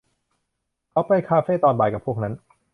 เขาไปคาเฟตอนบ่ายกับพวกนั้น